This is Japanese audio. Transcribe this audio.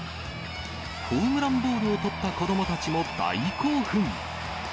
ホームランボールを捕った子どもたちも大興奮。